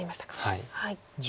はい。